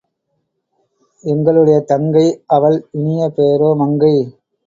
எங்களுடைய தங்கை—அவள் இனிய பெயரோ மங்கை.